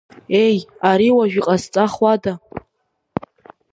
Еи, ари уажә иҟазҵахуада!